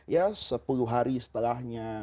ya sepuluh hari setelahnya